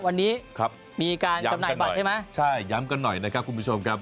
วันนี้ครับมีการจำหน่ายบัตรใช่ไหมใช่ย้ำกันหน่อยนะครับคุณผู้ชมครับ